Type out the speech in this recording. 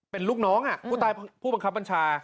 เป็นลูกน้องผู้ตายผู้บังคับบัญชา